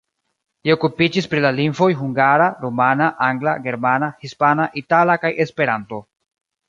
Li okupiĝis pri la lingvoj hungara, rumana, angla, germana, hispana, itala kaj Esperanto.